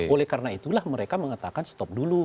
oleh karena itulah mereka mengatakan stop dulu